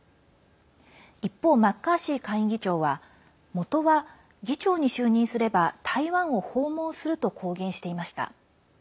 一方、マッカーシー下院議長はもとは、議長に就任すれば台湾を訪問すると公言していました。